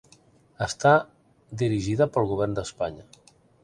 Està dirigida pel govern d'Espanya.